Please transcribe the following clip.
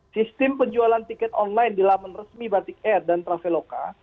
sistem penjualan tiket online di laman resmi batik air dan traveloka